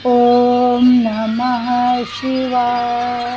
โอมนามังชิวาย